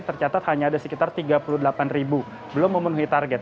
tercatat hanya ada sekitar tiga puluh delapan ribu belum memenuhi target